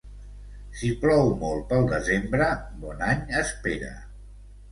Si plou molt pel desembre, bon any espera.